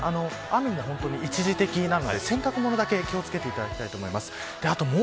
雨は本当に一時的なので洗濯物だけ気を付けていただきたいと思います。